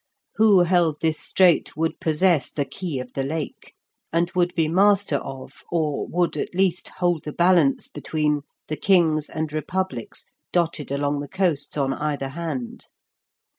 Who held this strait would possess the key of the Lake, and would be master of, or would at least hold the balance between, the kings and republics dotted along the coasts on either hand.